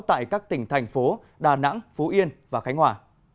tại các tỉnh thành phố đà nẵng phú yên và khánh hòa